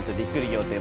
仰天